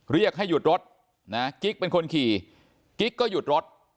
เรียกให้หยุดรถนะกิ๊กเป็นคนขี่กิ๊กก็หยุดรถ